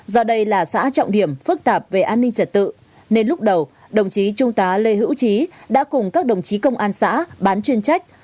do đây là xã trọng điểm phức tạp về an ninh trật tự nên lúc đầu đồng chí trung tá lê hữu trí đã cùng các đồng chí công an xã bán chuyên trách